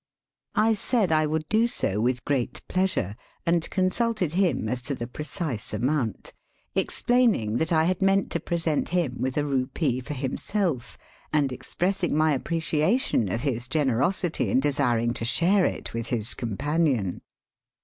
" I said I would do so with great pleasure, and consulted him as to the precise amount, explaining that I had meant to present him with a rupee for himself, and expressing my appreciation of his generosity in desiring to share it with his companion.